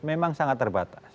memang sangat terbatas